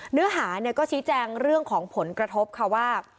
เนื้อหาก็ชี้แจงเรื่องของผลกระทบค่ะว่า